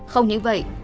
không những vậy